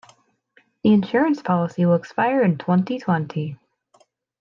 The insurance policy will expire in twenty-twenty.